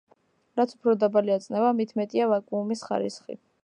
რაც უფრო დაბალია წნევა, მით მეტია ვაკუუმის ხარისხი.